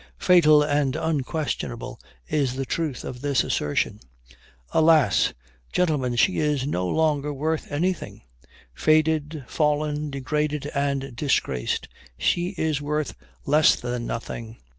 Fatal and unquestionable is the truth of this assertion. Alas! gentlemen, she is no longer worth anything; faded, fallen, degraded, and disgraced, she is worth less than nothing!